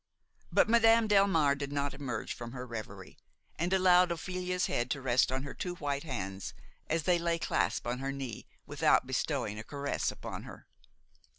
But Madame Delmare did not emerge from her reverie, and allowed Ophelia's head to rest on her two white hands, as they lay clasped on her knee, without bestowing a caress upon her.